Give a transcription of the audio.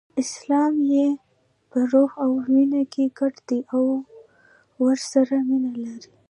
اسلام یې په روح او وینه کې ګډ دی او ورسره مینه لري.